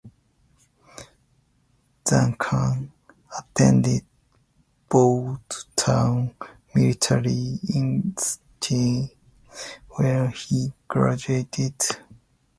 Duncan attended Bordentown Military Institute where he graduated valedictorian.